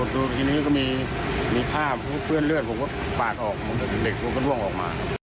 ดูทีนี้ก็มีผ้าเปื้อนเลือดผมก็ปาดออกเด็กผมก็ร่วงออกมา